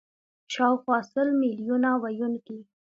شاوخوا سل میلیونه ویونکي